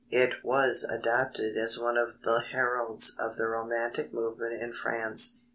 It was adopted as one of the heralds of the romantic movement in France.